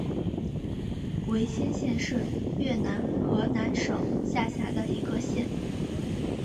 维先县是越南河南省下辖的一个县。